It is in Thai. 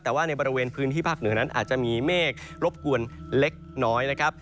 แต่ว่าในบริเวณพื้นที่ภาคเหนือนั้นอาจจะมีเมฆรบกวนเล็กน้อยนะครับ